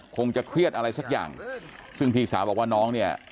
คงจะเครียดอะไรสักอย่างซึ่งพี่สาวบอกว่าน้องเนี่ย